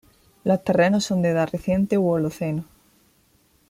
Los terrenos son de edad reciente u Holoceno.